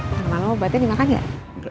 sama lo obatnya dimakan gak